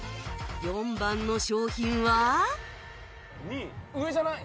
４番の商品は上じゃない？